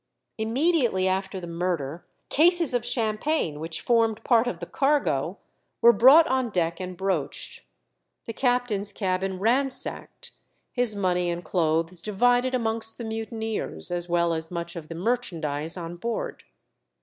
Immediately after the murder cases of champagne, which formed part of the cargo, were brought on deck and broached; the captain's cabin ransacked, his money and clothes divided amongst the mutineers, as well as much of the merchandise on board.